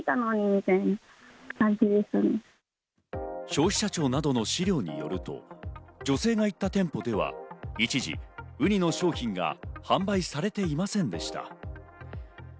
消費者庁などの資料によると、女性が行った店舗では一時、ウニの商品が販売されていませんでした。